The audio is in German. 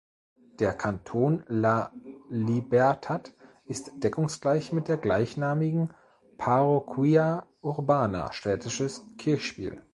Der Kanton La Libertad ist deckungsgleich mit der gleichnamigen Parroquia urbana („städtisches Kirchspiel“).